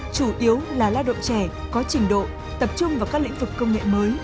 chủ yếu là lao động trẻ có trình độ tập trung vào các lĩnh vực công nghệ mới